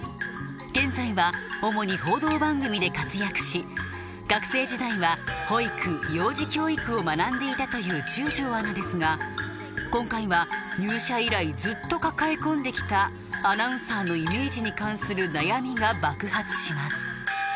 現在は主に報道番組で活躍し学生時代は保育・幼児教育を学んでいたという中條アナですが今回は入社以来ずっと抱え込んできたアナウンサーのイメージに関する悩みが爆発します